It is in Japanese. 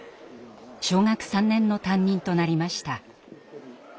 小学３年の担任となりました。